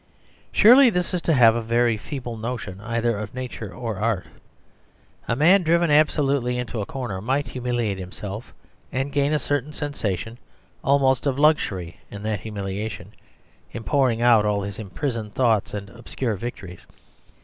Surely this is to have a very feeble notion either of nature or art. A man driven absolutely into a corner might humiliate himself, and gain a certain sensation almost of luxury in that humiliation, in pouring out all his imprisoned thoughts and obscure victories.